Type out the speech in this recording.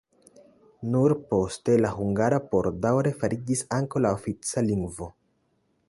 Nur poste la hungara por daŭre fariĝis ankaŭ la ofica lingvo.